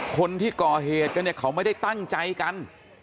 คนที่ก่อเหตุกันเนี่ยเขาไม่ได้ตั้งใจกัน